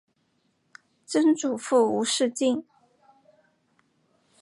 曾祖父吴仕敬。